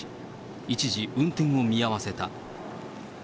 一時、運転を見合わせた。